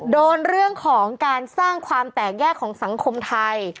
โดนเรื่องของการสร้างความแตกแยกของสังคมไทย